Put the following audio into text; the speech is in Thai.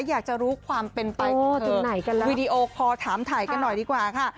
อยากรู้ความเป็นใบเกิดวิดีโอขอถามถ่ายกันหน่อยดีกว่าค่ะ